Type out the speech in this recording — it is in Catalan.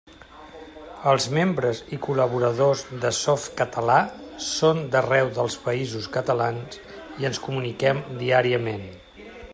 Els membres i col·laboradors de Softcatalà són d'arreu dels Països Catalans i ens comuniquem diàriament.